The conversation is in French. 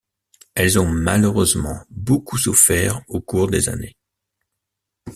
Elles ont malheureusement beaucoup souffert au cours des années.